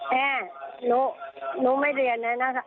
แม่หนูไม่เรียนเลยนะ